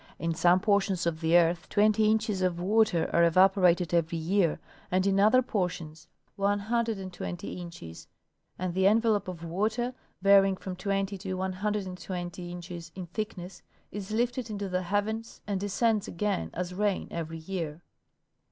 In some portions of the earth 20 inches of water are evaporated every year, and in other portions 120 inches, and the envelope of water, varying from 20 to 120 inches in thickness, is lifted into the heavens and descends again as rain every year.